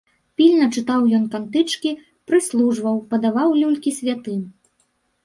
Пільна чытаў ён кантычкі, прыслужваў, падаваў люлькі святым.